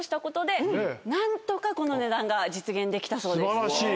素晴らしい。